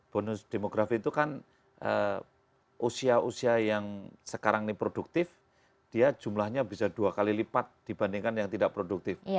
bonus demografi itu kan usia usia yang sekarang ini produktif dia jumlahnya bisa dua kali lipat dibandingkan yang tidak produktif